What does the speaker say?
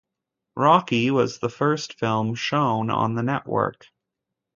"Rocky" was the first film shown on the network.